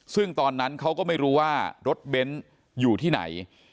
ซึ่งตอนนั้นเขาก็ไม่รู้ว่ารถเบ้นอยู่ที่ไหน